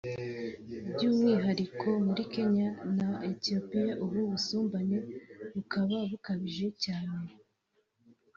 By’umwihariko muri Kenya na Ethiopia ubu busumbane bukaba bukabije cyane